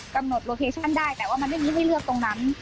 กำหนดโลเคชั่นได้แต่ว่ามันไม่เลือกตรงนั้น